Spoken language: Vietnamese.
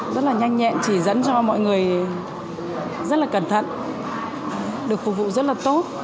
rất là nhanh nhẹn chỉ dẫn cho mọi người rất là cẩn thận được phục vụ rất là tốt